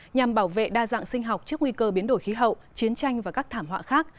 nhằm bảo vệ đa dạng sinh học trước nguy cơ biến đổi khí hậu chiến tranh và các thảm họa khác